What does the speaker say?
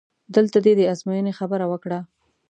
دلته دې د ازموینې خبره وکړه؟!